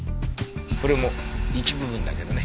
これも一部分だけどね。